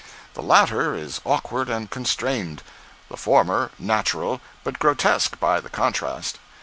The latter is awkward and constrained; the former natural, but grotesque by the contrast.